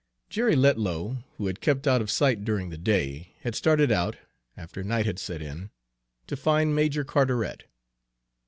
Jerry Letlow, who had kept out of sight during the day, had started out, after night had set in, to find Major Carteret.